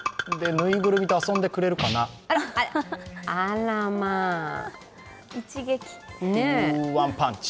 ぬいぐるみと遊んでくれるかなワンパンチ！